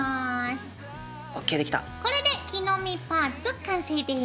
これで木の実パーツ完成です。